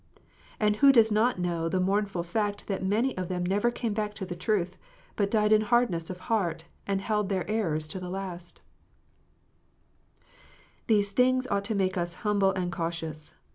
And who does not know the mournful fact that many of them never came back to the truth, but died in hardness of heart, and held their errors to the last 1 These things ought to make us humble and cautious.